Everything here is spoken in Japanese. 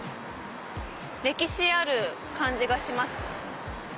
歴史ある感じがします。